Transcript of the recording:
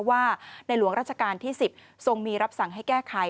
ว่าในหลวงราชการที่๑๐ทรงมีรับสั่งให้แก้ไข